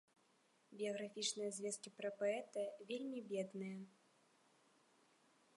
Біяграфічныя звесткі пра паэта вельмі бедныя.